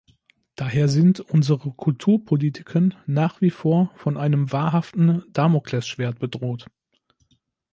Daher sind unsere Kulturpolitiken nach wie vor von einem wahrhaften Damoklesschwert bedroht.